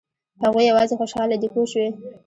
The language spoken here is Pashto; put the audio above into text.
هغوی یوازې خوشاله دي پوه شوې!.